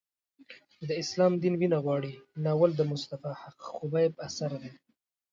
د اسلام دین وینه غواړي ناول د مصطفی خبیب اثر دی.